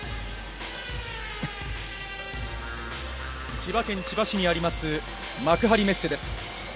千葉県千葉市にあります幕張メッセです。